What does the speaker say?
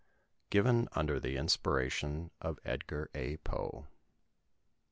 [Given under the inspiration of Edgar A. Poe.